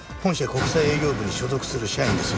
国際営業部に所属する社員です。